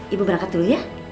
ibu berangkat dulu ya